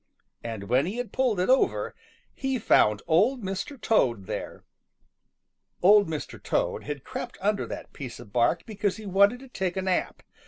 And when he had pulled it over, he found Old Mr. Toad there. Old Mr. Toad had crept under that piece of bark because he wanted to take a nap.